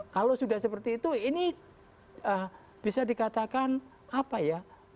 kalau sudah seperti itu ini bisa dikatakan apa ya